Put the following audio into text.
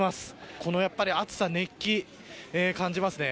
この暑さ、熱気、感じますね。